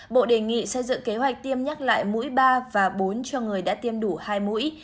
bộ đề nghị xây dựng kế hoạch tiêm nhắc lại mũi ba và bốn cho người đã tiêm đủ hai mũi